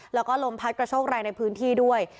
แล้วก็ลมพัดกระโชกแรงในพื้นที่ด้วย